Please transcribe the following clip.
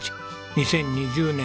２０２０年